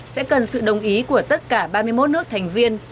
sẽ cần sự đồng ý của tất cả ba mươi một nước thành viên